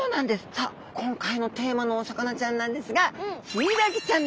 さあ今回のテーマのお魚ちゃんなんですがヒイラギちゃん！？